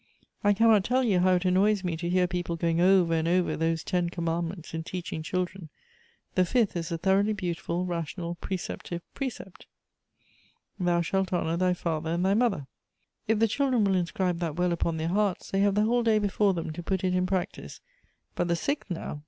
I cannot tell you how it annoys me to hear peoj^e going over and over those Ton Commandments in teaching children. The fifth is a thoroughly beautiful, ration.al, precci>tive pre cept. 'Thou shalt honor thy father and thy mother.' If the children will inscribe that well upon their hearts, they have the whole day before them to put it in j)rac tice. But the sixth now?